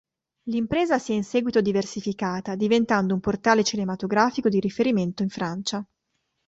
L'impresa si è in seguito diversificata, diventando un portale cinematografico di riferimento in Francia.